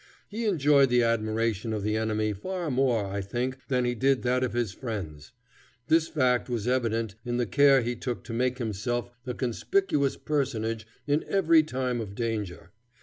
He enjoyed the admiration of the enemy far more, I think, than he did that of his friends. This fact was evident in the care he took to make himself a conspicuous personage in every time of danger.